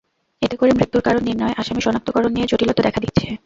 এতে করে মৃত্যুর কারণ নির্ণয়, আসামি শনাক্তকরণ নিয়ে জটিলতা দেখা দিচ্ছে।